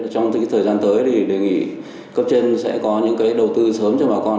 trong thời gian tới thì đề nghị cấp trên sẽ có những đầu tư sớm cho bà con